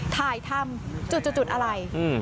ถ่ายทำจุดอะไร